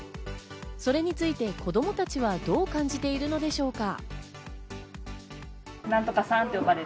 それについて子供たちはどう感じているのでしょうか。